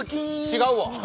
違うわ！